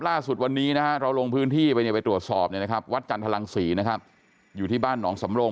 ล่าสุดวันนี้นะครับเราลงพื้นที่ไปหงวดจันทรังสีนะครับอยู่ที่บ้านนองสำรง